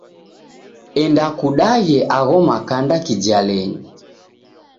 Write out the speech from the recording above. Enda kude agho makanda kijalenyi.